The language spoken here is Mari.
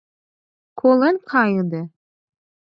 Колен кайыде?..